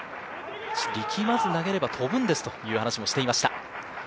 力まず投げれば飛ぶんですという話もしていました。